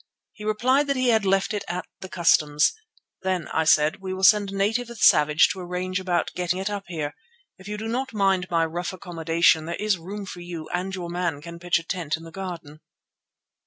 He replied that he had left it at the Customs. "Then," I said, "I will send a native with Savage to arrange about getting it up here. If you do not mind my rough accommodation there is a room for you, and your man can pitch a tent in the garden."